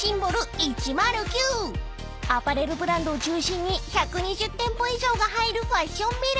［アパレルブランドを中心に１２０店舗以上が入るファッションビル］